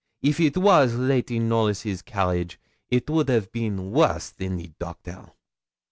If it was Lady Knollys' carriage it would 'av been worse than the doctor.'